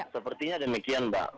sepertinya demikian mbak